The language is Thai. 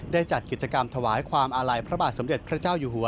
จัดกิจกรรมถวายความอาลัยพระบาทสมเด็จพระเจ้าอยู่หัว